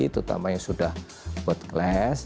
terutama yang sudah world class